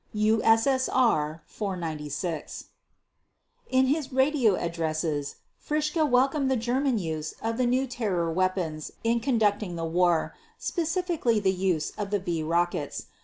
(USSR 496) In his radio addresses Fritzsche welcomed the German use of the new terror weapons in conducting the war, specifically the use of the "V" rockets.